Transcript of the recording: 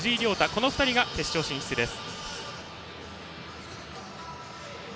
この２人が決勝進出です。